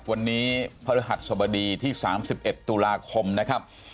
วันนี้พระฤหัสสบดีที่๓๑ตุลาคมนะครับ